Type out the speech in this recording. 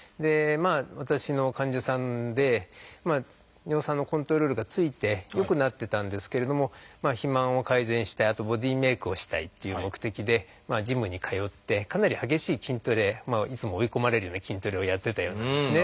私の患者さんで尿酸のコントロールがついて良くなってたんですけれども肥満を改善してあとボディーメイクをしたいっていう目的でジムに通ってかなり激しい筋トレいつも追い込まれるような筋トレをやってたようなんですね。